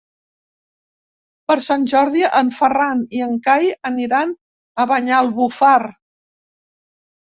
Per Sant Jordi en Ferran i en Cai aniran a Banyalbufar.